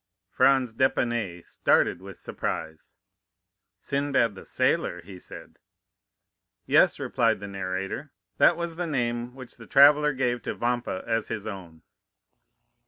'" Franz d'Épinay started with surprise. "Sinbad the Sailor?" he said. "Yes," replied the narrator; "that was the name which the traveller gave to Vampa as his own."